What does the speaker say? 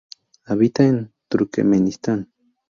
Habita en Turkmenistán.